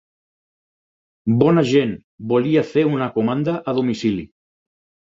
Bona gent, volia fer una comanda a domicili.